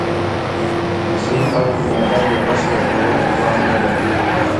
د ځینې خلکو معده د غوښې هضمولو توان نه لري.